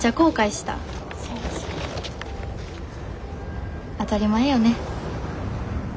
当たり前よね。